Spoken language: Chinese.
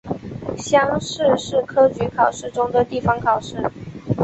乡试是科举考试中的地方考试。